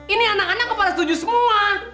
ini anak anak kepala setuju semua